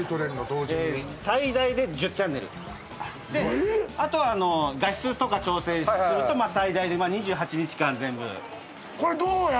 同時に最大で１０チャンネルであとはあの画質とか調整すると最大で２８日間全部これどうや？